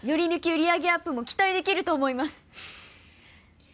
売上アップも期待できると思います